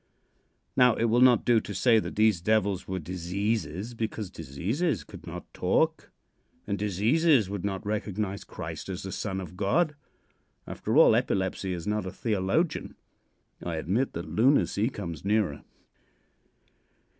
Now, it will not do to say that these devils were diseases, because diseases could not talk, and diseases would not recognize Christ as the Son of God. After all, epilepsy is not a theologian. I admit that lunacy comes nearer.